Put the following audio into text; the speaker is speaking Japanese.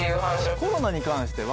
コロナに関しては。